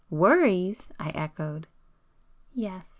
"Worries?" I echoed. "Yes.